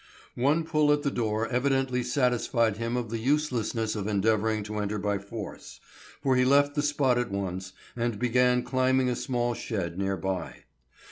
One pull at the door evidently satisfied him of the uselessness of endeavoring to enter by force, for he left the spot at once, and began climbing a small shed near by.